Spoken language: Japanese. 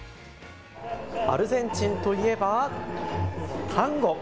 アルゼンチンといえばタンゴ。